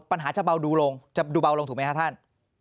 ปัญหาจะเบาดูลงจะดูเบาลงถูกไหมครับท่าน